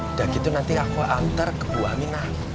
udah gitu nanti aku antar ke ibu aminah